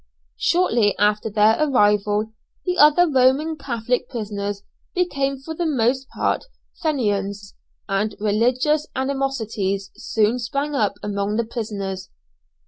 Shortly after their arrival the other Roman Catholic prisoners became for the most part Fenians, and religious animosities soon sprang up among the prisoners.